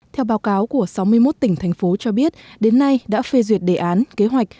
theo báo cáo của sáu mươi một tỉnh thành phố cho biết đến nay đã phê duyệt đề án kế hoạch